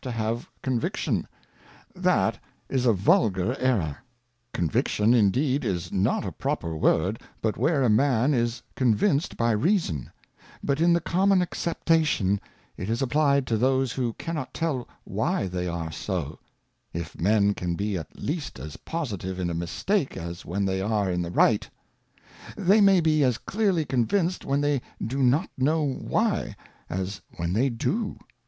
J;.Q_have Conviction; that is a vulgar Error. Conviction indeed is not a proper word but where a Man is convinced by jReason ; but in the common acceptation, it is applied to those who cannot tell why they are so : If Men can be at least as positive in a Mistake as when they are in the right ; they may be as clearly convinced when they do not know why, as when they do.